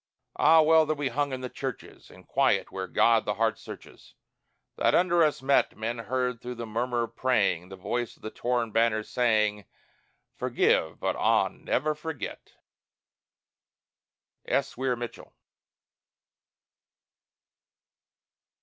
Ah, well that we hung in the churches In quiet, where God the heart searches, That under us met Men heard through the murmur of praying The voice of the torn banners saying, "Forgive, but ah, never forget." S. WEIR MITCHELL.